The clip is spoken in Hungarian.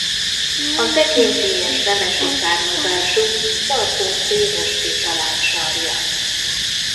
A tekintélyes nemesi származású barkóczi Rosty család sarja.